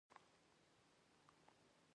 • ژړا کول د زخمونو درملنه نه کوي، خو زړه سپکوي.